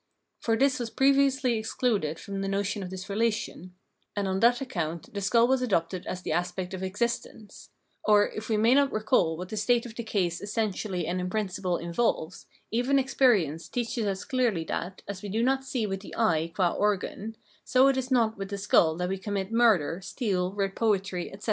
For this was previously ex cluded from the notion of this relation, and on that account the skull was adopted as the aspect of existence; or, if we may not recall what the state of the case essentially and in principle involves, even experience teaches us clearly that, as we do not see with the eye qua organ, so it is not with the skull that we commit murder, steal, write poetry, etc.